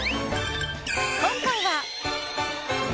今回は。